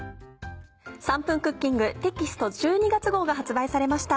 『３分クッキング』テキスト１２月号が発売されました。